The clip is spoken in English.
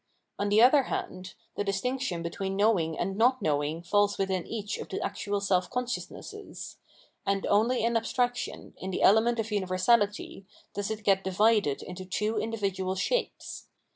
On the other hand, the distinction between knowing and not knowing falls within each of the actual self consciousnesses ; and only in abstraction, in the element of universahty, does it get divided into two individual shapes.